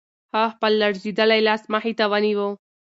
هغه خپل لړزېدلی لاس مخې ته ونیو.